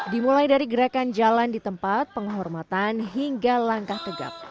dimulai dari gerakan jalan di tempat penghormatan hingga langkah tegap